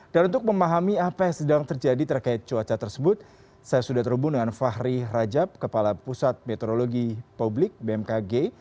dan untuk memahami apa yang sedang terjadi terkait cuaca tersebut saya sudah terhubung dengan fahri rajab kepala pusat meteorologi publik bmkg